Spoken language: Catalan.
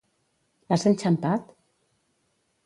L'has enxampat?